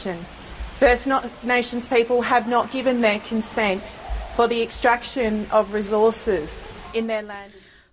orang orang negara pertama tidak memberikan konsen untuk ekstraksi sumber daya di negara mereka